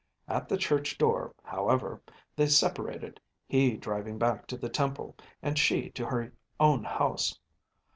At the church door, however, they separated, he driving back to the Temple, and she to her own house.